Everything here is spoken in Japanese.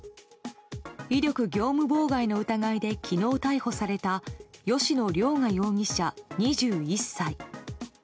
威力業務妨害の疑いで昨日逮捕された吉野凌雅容疑者、２１歳。